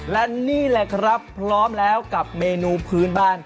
และนี่แหละครับพร้อมแล้วกับเมนูพื้นบ้าน